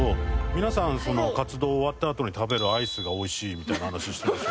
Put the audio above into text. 皆さんその活動終わったあとに食べるアイスがおいしいみたいな話してましたよね。